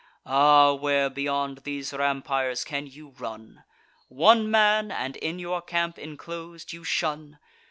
Ah! where beyond these rampires can you run? One man, and in your camp inclos'd, you shun!